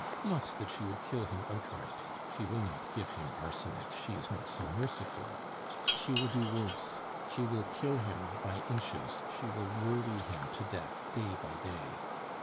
Not that she would kill him outright; she will not give him arsenic, she is not so merciful; she will do worse, she will kill him by inches; she will worry him to death day by day.